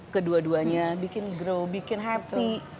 kedua duanya bikin grow bikin happy